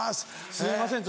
すいません